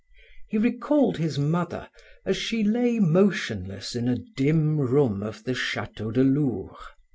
He recalled his mother as she lay motionless in a dim room of the Chateau de Lourps.